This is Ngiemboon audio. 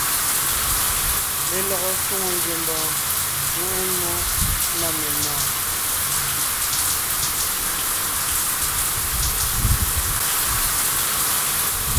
Lelɔgɔ shwòŋo ngiembɔɔn ŋweʼe mmó na menɔ̀ɔn.